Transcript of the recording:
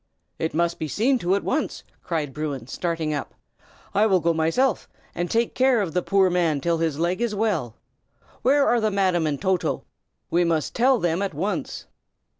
"It must be seen to at once!" cried Bruin, starting up. "I will go myself, and take care of the poor man till his leg is well. Where are the Madam and Toto? We must tell them at once."